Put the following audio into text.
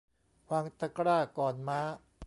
วางตะกร้าก่อนม้า